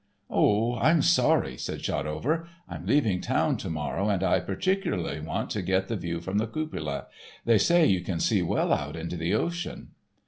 "Oh, I'm sorry," said Shotover; "I'm leaving town to morrow, and I particularly wanted to get the view from the cupola. They say you can see well out into the ocean."